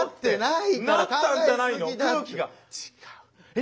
え